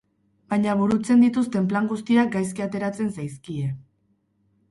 Baina burutzen dituzten plan guztiak gaizki ateratzen zaizkie.